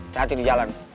sehat di jalan